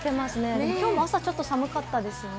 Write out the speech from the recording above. でも今日も朝、ちょっと寒かったですね。